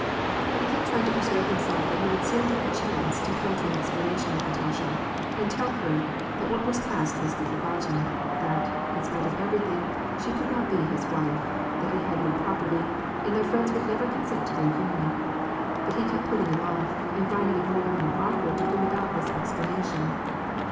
He kept trying to persuade himself that he would soon have a chance to come to an explanation with Natasha, and tell her that what was past must be forgotten, that, in spite of everything, she could not be his wife, that he had no property, and their friends would never consent to their union. But he kept putting it off, and finding it more and more awkward to bring about this explanation.